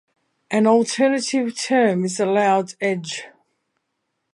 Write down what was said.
An alternative term is allowed edge.